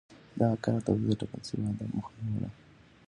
دغه کار د تولید د ټاکل شوي هدف مخه نیوله.